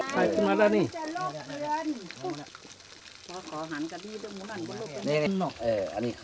ถ้ายขึ้นมาแล้วนี่